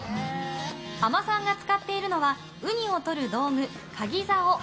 海女さんが使っているのはウニをとる道具、カギざお。